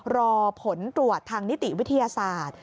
รอผลตรวจทางนิติวิทยาศาสตร์